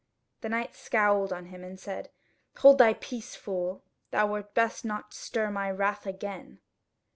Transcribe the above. The knight scowled on him and said: "Hold thy peace, fool! Thou wert best not stir my wrath again."